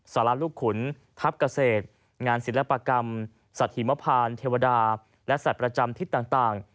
สารลูกขุนทัพเกษตรงานศิลปกรรมสัตว์หิมพานเทวดาและสัตว์ประจำทิศต่าง